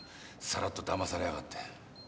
さらっとだまされやがって。